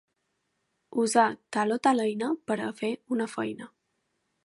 Usar tal o tal eina per a fer una feina.